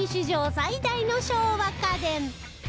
最大の昭和家電